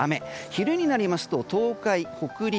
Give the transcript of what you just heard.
昼になりますと東海、北陸